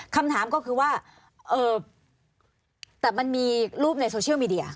คำถามก็คือว่าแต่มันมีรูปในโซเชียลมีเดีย